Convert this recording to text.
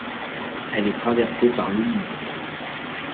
Elle est traversée par l’Huisne.